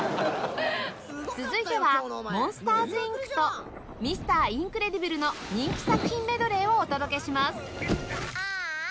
続いては『モンスターズ・インク』と『Ｍｒ． インクレディブル』の人気作品メドレーをお届けします